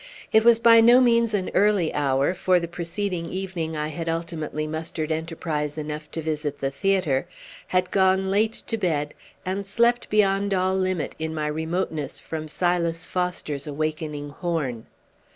It was by no means an early hour, for the preceding evening I had ultimately mustered enterprise enough to visit the theatre, had gone late to bed, and slept beyond all limit, in my remoteness from Silas Foster's awakening horn.